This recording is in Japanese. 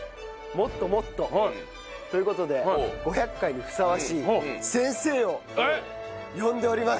もっともっと。という事で５００回にふさわしい先生を呼んでおります。